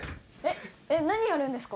えっ何やるんですか？